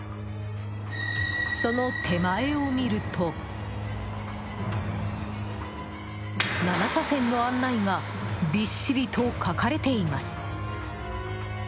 その手前を見ると７車線の案内がびっしりと書かれています。